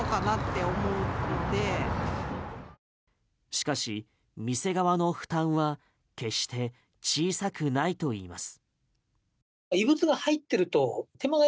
しかし、店側の負担は決して小さくないといいます。